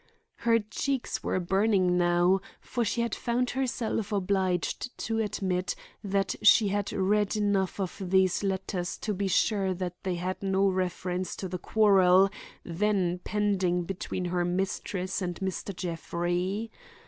Her cheeks were burning now, for she had found herself obliged to admit that she had read enough of these letters to be sure that they had no reference to the quarrel then pending between her mistress and Mr. Jeffrey.